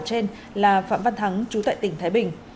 trên là phạm văn thắng chú tại tỉnh thái bình